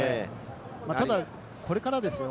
ただ、これからですよ。